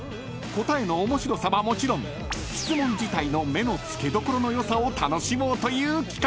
［答えの面白さはもちろん質問自体の目の付けどころの良さを楽しもうという企画です］